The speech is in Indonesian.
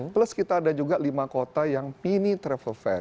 plus kita ada juga lima kota yang mini travel fair